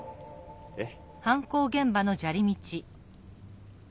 えっ？